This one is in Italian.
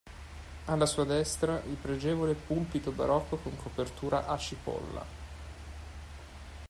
Alla sua destra, il pregevole pulpito barocco con copertura "a cipolla".